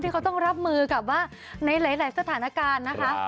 เขาต้องรับมือกับว่าในหลายสถานการณ์นะคะ